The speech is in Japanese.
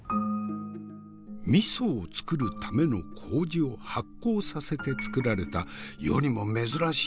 味噌を造るための麹を発酵させて造られた世にも珍しい純米酒。